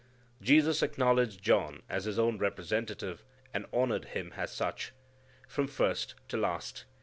Jesus acknowledged John as His own representative, and honored him as such, from first to last.